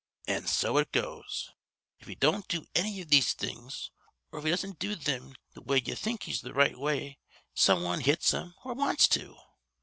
"An' so it goes. If he don't do anny iv these things or if he doesn't do thim th' way ye think is th' right way some wan hits him or wants to.